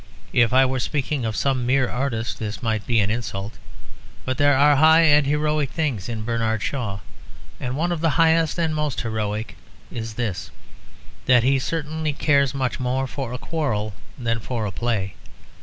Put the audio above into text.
If I were speaking of some mere artist this might be an insult. But there are high and heroic things in Bernard Shaw; and one of the highest and most heroic is this, that he certainly cares much more for a quarrel than for a play.